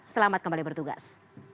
selamat kembali bertugas